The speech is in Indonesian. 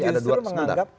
saya justru menganggap